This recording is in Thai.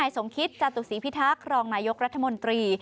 สมคิตจตุศีพิทักษ์รองนายกรัฐมนตรี